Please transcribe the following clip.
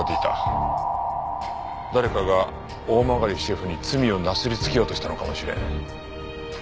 誰かが大曲シェフに罪をなすりつけようとしたのかもしれん。